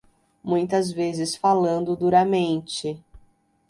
Muitas vezes falando duramente